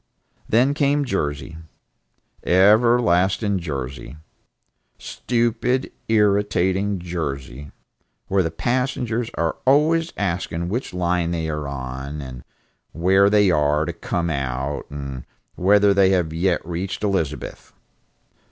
Then came Jersey, everlasting Jersey, stupid irritating Jersey, where the passengers are always asking which line they are on, and where they are to come out, and whether they have yet reached Elizabeth.